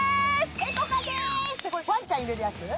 ＥｃｏＣａでーすってこれワンちゃん入れるやつ？